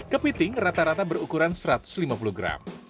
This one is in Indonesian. kepiting rata rata berukuran satu ratus lima puluh gram